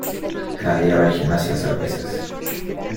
Cada día va al gimnasio a hacer pesas.